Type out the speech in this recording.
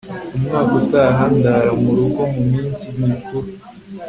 umwaka utaha ndara murugo muminsi mikuru